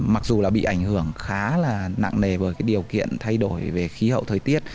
mặc dù là bị ảnh hưởng khá là nặng nề bởi cái điều kiện thay đổi về khí hậu thời tiết